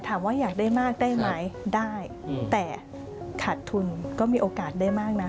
อยากได้มากได้ไหมได้แต่ขาดทุนก็มีโอกาสได้มากนะ